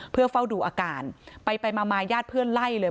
เพื่อเฝ้าดูอาการไปมาญาติเพื่อนไล่เลย